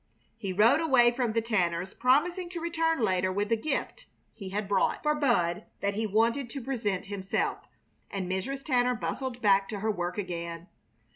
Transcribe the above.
He rode away from the Tanners', promising to return later with a gift he had brought for Bud that he wanted to present himself, and Mrs. Tanner bustled back to her work again.